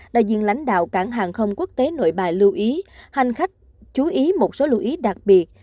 đại diện lãnh đạo cảng hàng không quốc tế nội bài lưu ý hành khách chú ý một số lưu ý đặc biệt